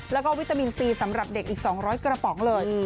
แล้วก็วิตามินซีสำหรับเด็กอีก๒๐๐กระป๋องเลย